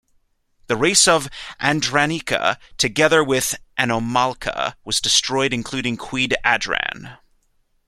The Race of Adranika together with Anomalka was destroyed including Queen Adran.